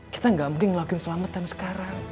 kita gak mungkin ngelakuin selamatan sekarang